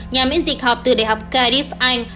nhà miễn dịch học từ đại học cardiff anh